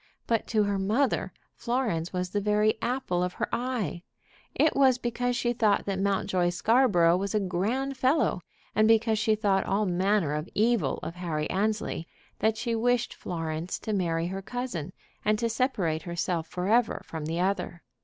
But to her mother Florence was the very apple of her eye. It was because she thought that Mountjoy Scarborough was a grand fellow, and because she thought all manner of evil of Harry Annesley, that she wished Florence to marry her cousin, and to separate herself forever from the other.